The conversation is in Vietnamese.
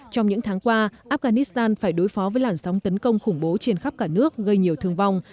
trong những tháng qua afghanistan phải đối phó với làn sóng tấn công khủng bố trên khắp cả nước gây nhiều thương vong